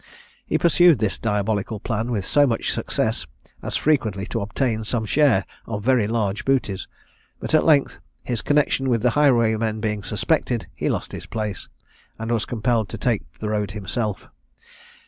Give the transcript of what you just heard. He pursued this diabolical plan with so much success as frequently to obtain some share of very large booties; but, at length, his connexion with the highwaymen being suspected, he lost his place, and was compelled to take the road himself.